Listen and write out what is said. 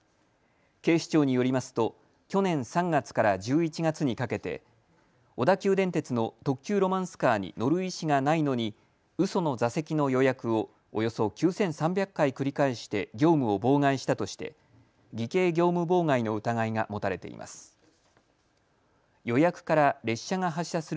警視庁によりますと去年３月から１１月にかけて小田急電鉄の特急ロマンスカーに乗る意思がないのにうその座席の予約をおよそ９３００回繰り返して業務を妨害したとして偽計業務妨害の疑いが持たれています。